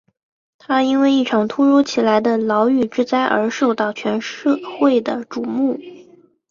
他因为一场突如其来的牢狱之灾而受到全社会的瞩目。